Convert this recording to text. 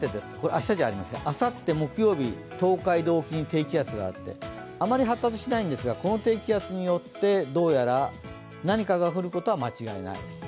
あさって木曜日、東海道沖に低気圧があって、あまり発達はしてないんですがこの低気圧によってどうやら何かが降ることは間違いない。